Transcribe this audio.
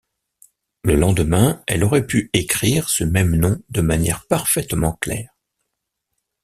Le lendemain, elle aurait pu écrire ce même nom de manière parfaitement claire.